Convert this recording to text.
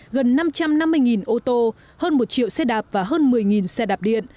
gần năm trăm năm mươi ô tô hơn một triệu xe đạp và hơn một mươi xe đạp điện